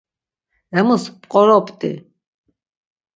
Emus p̌qoropt̆i.